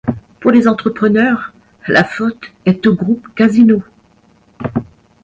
Pour les entrepreneurs, la faute est au groupe Casino.